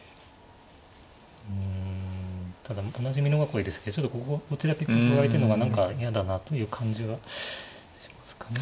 うんただ同じ美濃囲いですけどちょっとこここっちだけここが空いてんのが何か嫌だなという感じはしますかね。